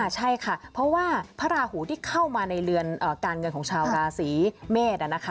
ใช่ค่ะเพราะว่าพระราหูที่เข้ามาในเรือนการเงินของชาวราศีเมษ